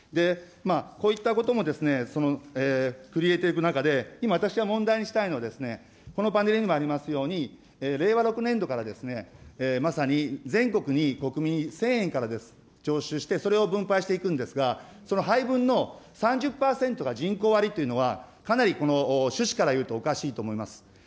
こういったことも、その繰り入れていく中で、今、私が問題にしたいのはですね、このパネルにもありますように、令和６年度からまさに全国に国民１０００円から徴収して、それを分配していくんですが、その配分の３０％が人口割というのは、かなり趣旨からいうとおかしいと思います。